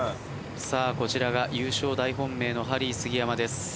こちらが優勝大本命のハリー杉山です。